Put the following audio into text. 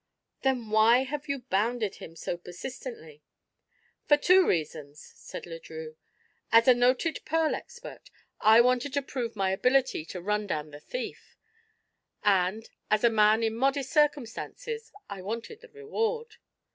"Then why have you bounded him so persistently?" "For two reasons." said Le Drieux. "As a noted pearl expert, I wanted to prove my ability to run down the thief; and, as a man in modest circumstances, I wanted the reward."